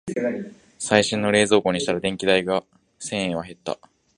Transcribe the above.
最新の冷蔵庫にしたら電気代が千円は減った